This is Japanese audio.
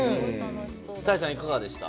多江さん、いかがでした？